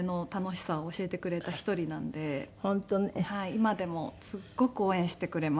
今でもすっごく応援してくれます。